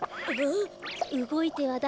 おっ？